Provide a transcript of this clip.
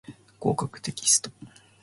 合格テキスト